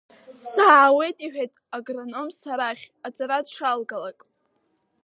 Саауеит иҳәеит, агрономс арахь, аҵара дшалгалак.